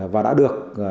và đã được